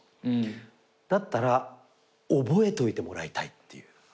だったら覚えといてもらいたいっていう。